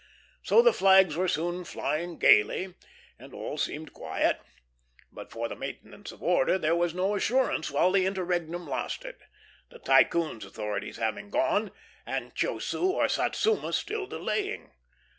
So the flags were soon flying gayly, and all seemed quiet; but for the maintenance of order there was no assurance while the interregnum lasted, the Tycoon's authorities having gone, and Chiosiu or Satsuma still delaying.